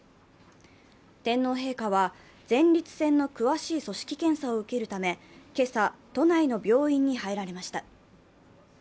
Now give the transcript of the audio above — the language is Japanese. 天皇陛下は、前立腺の詳しい組織検査を受けるため、今朝、都内の病院に入られました。